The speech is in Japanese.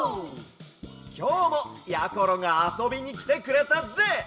きょうもやころがあそびにきてくれたぜ！